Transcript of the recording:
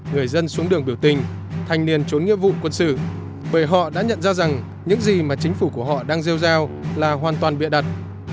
người dân xuống đường biểu tình thành niên trốn nghiệp vụ quân sự bởi họ đã nhận ra rằng những gì mà chính phủ của họ đang rêu rao là hoàn toàn bịa đặt